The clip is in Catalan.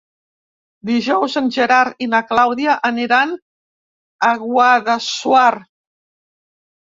Dijous en Gerard i na Clàudia aniran a Guadassuar.